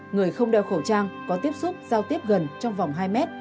người không đeo khẩu trang có tiếp xúc giao tiếp gần trong vòng hai mét